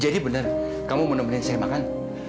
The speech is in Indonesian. jadi benar kamu mau nemenin saya makan